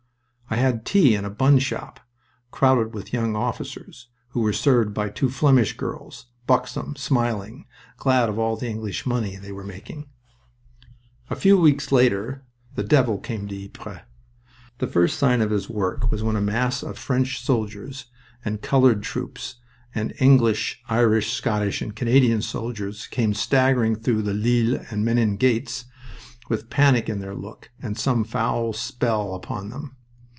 I had tea in a bun shop, crowded with young officers, who were served by two Flemish girls, buxom, smiling, glad of all the English money they were making. A few weeks later the devil came to Ypres. The first sign of his work was when a mass of French soldiers and colored troops, and English, Irish, Scottish, and Canadian soldiers came staggering through the Lille and Menin gates with panic in their look, and some foul spell upon them.